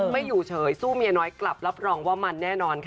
ไม่อยู่เฉยสู้เมียน้อยกลับรับรองว่ามันแน่นอนค่ะ